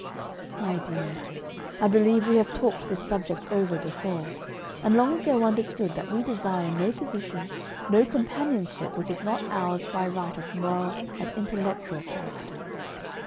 "My dear, I believe we have talked this subject over before, and long ago understood that we desire no position, no companionship which is not ours by right of moral and intellectual character.